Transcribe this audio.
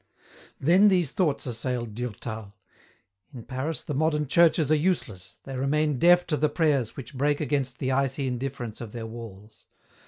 Then these thoughts assailed Durtal. In Paris the modern churches are useless, they remain deaf to the 28 EN ROUTE. prayers which break against the icy indifference of their walls.